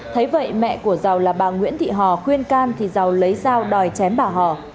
thấy vậy mẹ của giàu là bà nguyễn thị hò khuyên can thì giàu lấy dao đòi chém bà hò